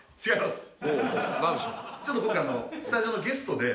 違います。